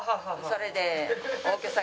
それで。